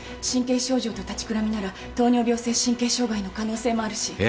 神経症状と立ちくらみなら糖尿病性神経障害の可能性もあるし。